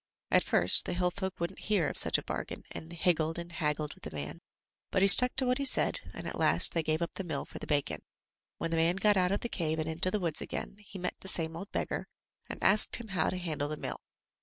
At first the hillfolk wouldn't hear of such a bargain and hig gled and haggled with the man, but he stuck to what he said, and at last they gave up the mill for the bacon. When the man got out of the cave and into the woods again, he met the same old beggar and asked him how to handle the mill.